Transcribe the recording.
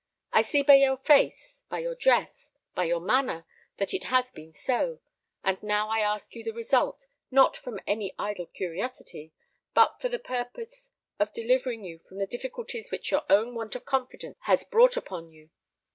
I see by your face, by your dress, by your manner, that it has been so; and I now ask you the result, not from any idle curiosity, but for the purpose of delivering you from the difficulties which your own want of confidence has brought upon you.